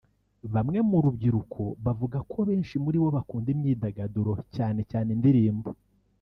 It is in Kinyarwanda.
Bamwe mu rubyiruko bavuga ko benshi muri bo bakunda imyidagaduro cyane cyane indirimbo